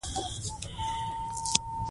هڅه وکړئ چې په خپلو پښو ودرېږئ.